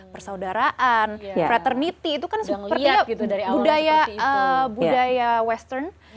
persaudaraan fraternity itu kan sepertinya budaya western